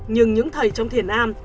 nhưng những thầy trong thiền am